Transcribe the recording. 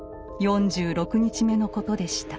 ４６日目のことでした。